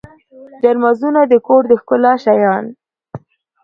جانمازونه د کور د ښکلا شیان.